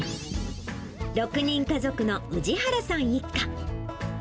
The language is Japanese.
６人家族の氏原さん一家。